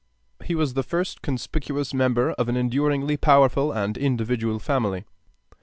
He was the first conspicuous member of an enduringly powerful and individual family.